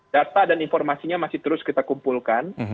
data dan informasinya masih terus kita kumpulkan